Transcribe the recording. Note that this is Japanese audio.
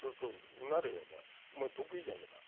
お前得意じゃねえか。